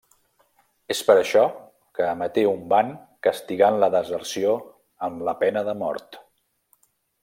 És per això que emeté un ban castigant la deserció amb la pena de mort.